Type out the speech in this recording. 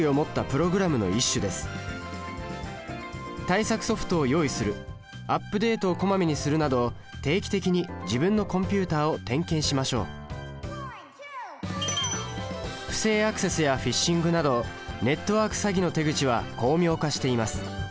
対策ソフトを用意するアップデートをこまめにするなど定期的に自分のコンピュータを点検しましょう不正アクセスやフィッシングなどネットワーク詐欺の手口は巧妙化しています。